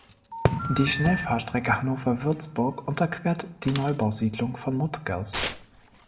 Die Schnellfahrstrecke Hannover–Würzburg unterquert die Neubausiedlung von Mottgers.